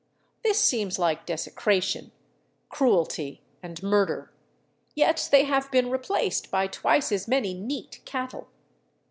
This seems like desecration, cruelty, and murder, yet they have been replaced by twice as many neat cattle.